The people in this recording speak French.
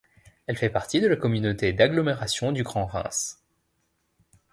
Elle fait partie de la communauté d'agglomération du Grand Reims.